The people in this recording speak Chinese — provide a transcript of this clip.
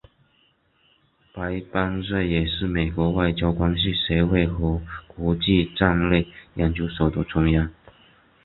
白邦瑞也是美国外交关系协会和国际战略研究所的成员。